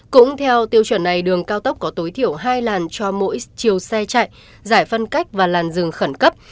cũng theo tiêu chuẩn này đường cao tốc có tối thiểu hai làn cho mỗi chiều xe chạy giải phân cách và làn rừng khẩn cấp